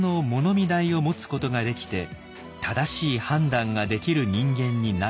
見台を持つことができて正しい判断ができる人間になること。